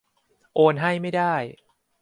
โอนให้ไม่ได้